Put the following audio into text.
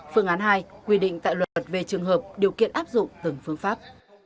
phương án hai quy định tại luật về trường hợp điều kiện áp dụng từng phương pháp